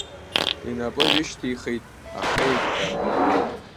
Инапы ҩышьҭихит Ахеивҟьа.